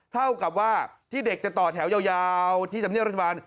เท่ากับว่าที่เด็กจะต่อแถวยาวที่ธรรมเนียบรัฐบาล